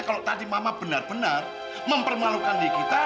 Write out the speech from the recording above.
kalau tadi mama benar benar mempermalukan nikita